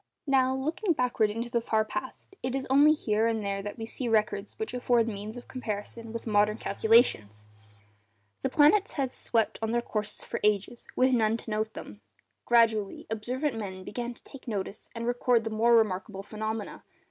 Now, looking backward into the far past, it is only here and there that we see records which afford means of comparison with modern calculations. The planets had swept on in their courses for ages with none to note them. Gradually, observant men began to notice and record the more remarkable phenomena.